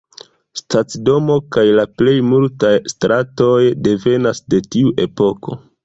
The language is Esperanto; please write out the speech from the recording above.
Stacidomo kaj la plej multaj stratoj devenas de tiu epoko.